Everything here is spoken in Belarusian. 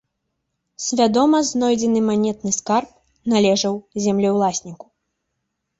Свядома знойдзены манетны скарб належаў землеўласніку.